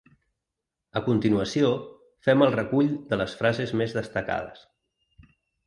A continuació, fem el recull de les frases més destacades.